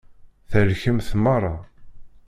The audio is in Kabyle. Thelkemt meṛṛa.